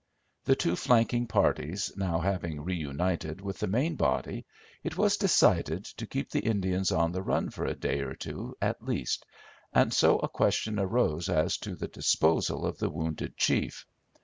The two flanking parties now having reunited with the main body, it was decided to keep the Indians on the run for a day or two at least, and so a question arose as to the disposal of the wounded chief.